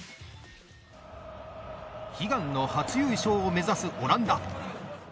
悲願の初優勝を目指すオランダ。